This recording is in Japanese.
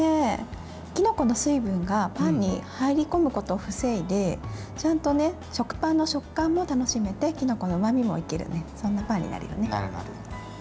きのこの成分がパンに入り込むことを防いでちゃんと食パンの食感も楽しめてきのこのうまみも生きるね。